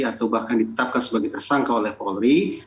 atau bahkan ditetapkan sebagai tersangka oleh paul verdi